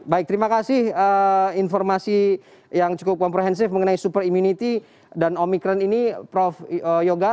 baik terima kasih informasi yang cukup komprehensif mengenai super immunity dan omikron ini prof yoga